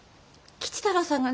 吉太郎さん。